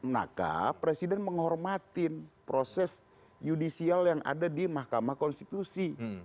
maka presiden menghormatin proses judicial yang ada di mahkamah konstitusi